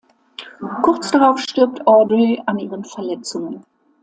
Kurz darauf stirbt Audrey an ihren Verletzungen.